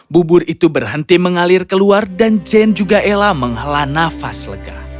bubur itu berhenti mengalir keluar dan jane juga ella menghala nafas lega